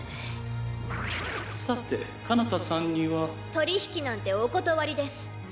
「さてかなたさんには」取引なんてお断りです。